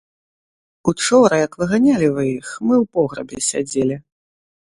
Учора, як выганялі вы іх, мы ў пограбе сядзелі.